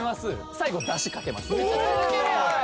最後ダシかけますお！